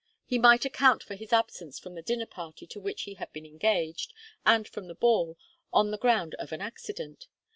He might account for his absence from the dinner party to which he had been engaged, and from the ball, on the ground of an accident.